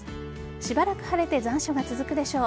しばらく晴れて残暑が続くでしょう。